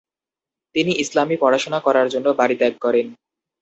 তিনি ইসলামী পড়াশোনা করার জন্য বাড়ি ত্যাগ করেন।